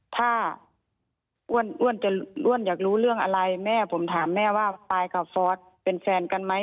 ถ้าอ้วนจะอ้วนอยากรู้เรื่องอะไรแม่ผมถามแม่ว่าปายกับฟอสเป็นแฟนกันไหม